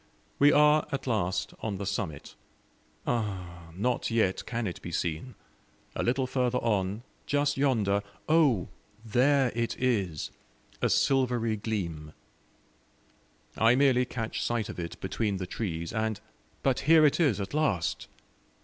We are at last on the summit. Ah! not yet can it be seen. A little further on just yonder, oh! there it is a silvery gleam. I merely catch sight of it between the trees, and but here it is at last!